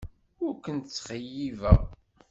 Ur ken-ttxeyyibeɣ.